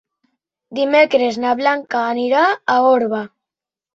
Dimecres na Blanca anirà a Orba.